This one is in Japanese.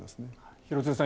廣津留さん